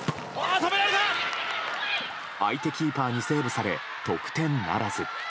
相手キーパーにセーブされ得点ならず。